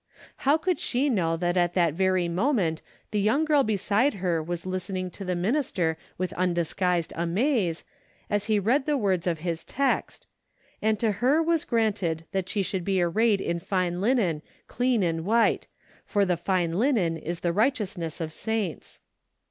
How could she know that at that very mo ment the young girl beside her was listening to the minister with undisguised amaze, as he read the words of his text, " And to her was granted that she should be arrayed in fine linen, clean and white : for the fine linen is the righteousness of saints."